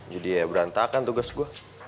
jadi ya berantakan tugas gue